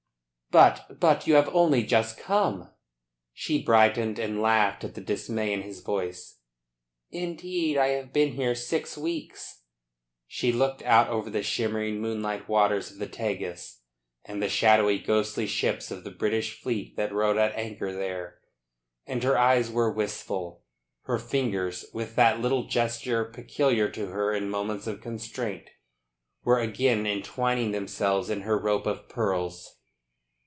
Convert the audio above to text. "But but you have only just come!" She brightened and laughed at the dismay in his voice. "Indeed, I have been here six weeks." She looked out over the shimmering moonlit waters of the Tagus and the shadowy, ghostly ships of the British fleet that rode at anchor there, and her eyes were wistful. Her fingers, with that little gesture peculiar to her in moments of constraint, were again entwining themselves in her rope of pearls.